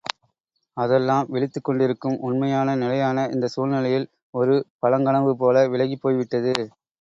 அதெல்லாம் விழித்துக் கொண்டிருக்கும் உண்மையான நிலையான இந்தச் சூழ்நிலையில் ஒரு பழங்கனவு போல விலகிப் போய் விட்டது.